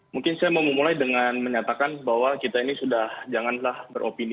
mungkin saya mau memulai dengan menyatakan bahwa kita ini sudah janganlah beropini